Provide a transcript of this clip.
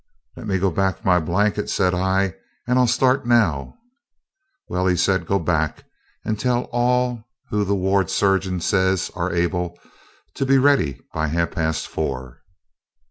"Let me go back for my blanket," said I, "and I'll start now." "Well," said he, "go back, and tell all who the ward surgeon says are able, to be ready by half past four."